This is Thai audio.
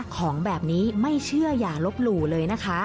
ของแบบนี้ไม่เชื่ออย่าลบหลู่เลยนะคะ